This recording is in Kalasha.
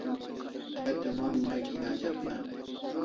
Tay te mon may kia ajat ne